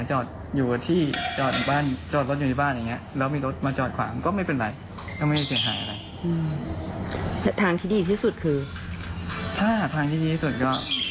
น้องภูมิภงดูเด็กวัยรุ่นคนรู้ภาค